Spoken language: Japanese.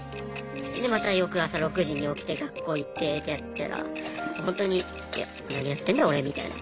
でまた翌朝６時に起きて学校行ってってやってたらほんとに「いや何やってんだ俺」みたいな。